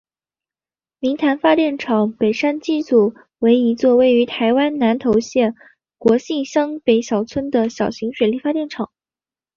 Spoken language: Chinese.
明潭发电厂北山机组为一座位于台湾南投县国姓乡北山村的小型水力发电厂。